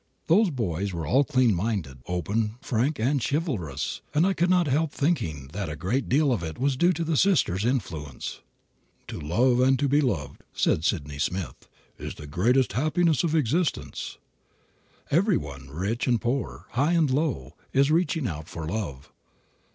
Those boys are all clean minded, open, frank and chivalrous, and I could not help thinking that a great deal of it was due to the sister's influence. "To love, and to be loved," said Sydney Smith, "is the greatest happiness of existence." Every one, rich and poor, high and low, is reaching out for love.